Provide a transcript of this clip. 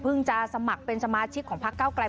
เพิ่งจะสมัครเป็นสมาชิกของพรรคก้าวกลาย